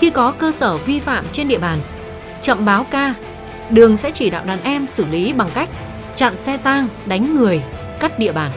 khi có cơ sở vi phạm trên địa bàn chậm báo ca đường sẽ chỉ đạo đàn em xử lý bằng cách chặn xe tang đánh người cắt địa bàn